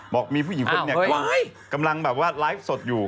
บอกมีผู้หญิงคนหนึ่งกำลังแบบว่าไลฟ์สดอยู่